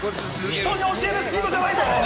人に教えるスピードじゃないぞ。